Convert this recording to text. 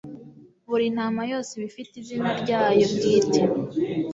Buri ntama yose iba ifite izina ryayo bwite,